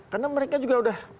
karena mereka juga udah